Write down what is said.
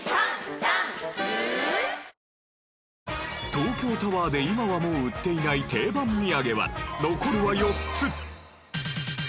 東京タワーで今はもう売っていない定番みやげは残るは４つ。